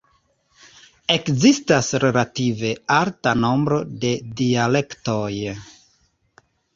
Ekzistas relative alta nombro de dialektoj.